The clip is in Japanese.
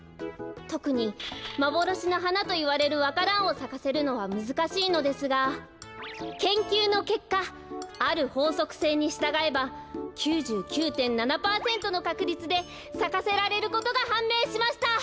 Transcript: とくにまぼろしのはなといわれるわか蘭をさかせるのはむずかしいのですが研究のけっかあるほうそくせいにしたがえば９９．７パーセントのかくりつでさかせられることがはんめいしました！